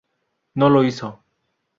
No lo hizo.